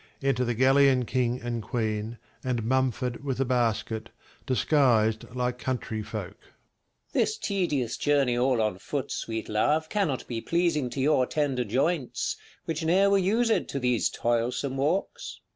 Enter the Gallian king and queen, and Mumford with a basket, disguised like country folk. King. This tedious journey all on foot, sweet love, Cannot be pleasing to your tender joints, Which ne'er were used to these toilsome walks.